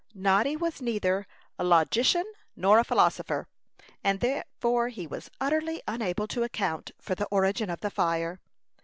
Noddy was neither a logician nor a philosopher; and therefore he was utterly unable to account for the origin of the fire.